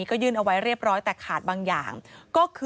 โปรดติดตามต่างกรรมโปรดติดตามต่างกรรม